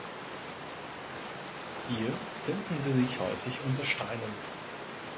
Hier finden sie sich häufig unter Steinen.